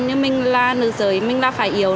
nhưng mình là nữ giới mình là phải yếu